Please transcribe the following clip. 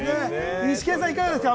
イシケンさん、いかがですか？